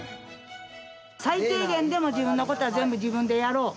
最低限でも自分のことは全部自分でやろう。